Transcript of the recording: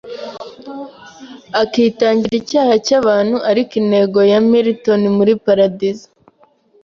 akitangira icyaha cyabantu Ariko intego ya Milton muri paradizo